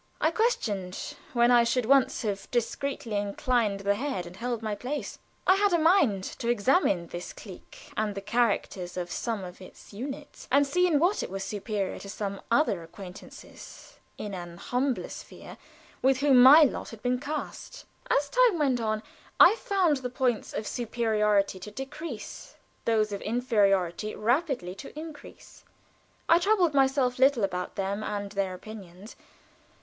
I questioned when I should once have discreetly inclined the head and held my peace. I had a mind to examine this clique and the characters of some of its units, and see in what it was superior to some other acquaintances (in an humbler sphere) with whom my lot had been cast. As time went on I found the points of superiority to decrease those of inferiority rapidly to increase. I troubled myself little about them and their opinions.